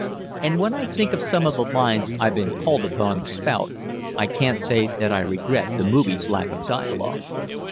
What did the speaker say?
And when I think of some of the lines I've been called upon to spout, I can't say that I regret the movies' lack of dialogue.